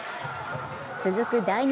続く第２